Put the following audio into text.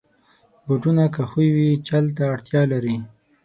بوټونه که ښوی وي، چل ته اړتیا لري.